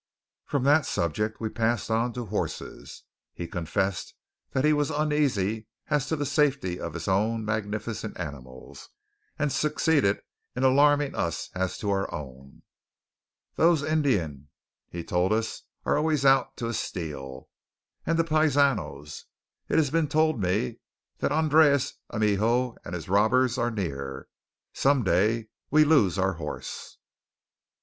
From that subject we passed on to horses. He confessed that he was uneasy as to the safety of his own magnificent animals; and succeeded in alarming us as to our own. "Thos' Indian," he told us, "are always out to essteal; and the paisanos. It has been tole me that Andreas Amijo and his robbers are near. Some day we loose our horse!"